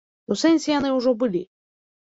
У сэнсе, яны ўжо былі.